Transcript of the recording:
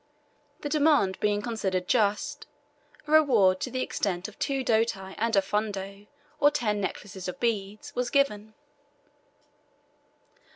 The demand being considered just, a reward to the extent of two doti and a fundo, or ten necklaces of beads, was given.